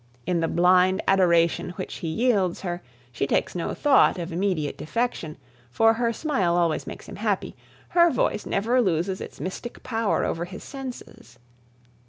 In the blind adoration which he yields her, she takes no thought of immediate defection, for her smile always makes him happy her voice never loses its mystic power over his senses.